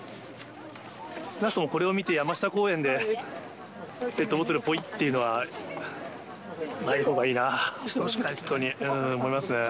少なくともこれを見て、山下公園でペットボトル、ぽいっていうのは、ないほうがいいな。